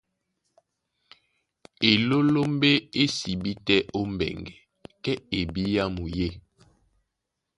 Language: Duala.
Elólómbé é sibí tɛ́ ó mbɛŋgɛ, kɛ́ ebyámu yê.